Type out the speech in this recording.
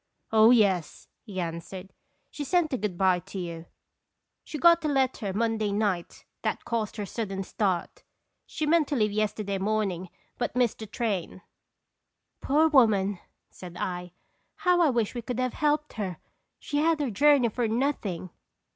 "Oh, yes," he answered; "she sent a good by to you. She got a letter Monday night that caused her sudden start. She meant to leave yesterday morning, but missed he train." 264 "l)e Seconb Carb toms." "Poor woman!" said I. "How I wish we could have helped her ! She had her journey for nothing."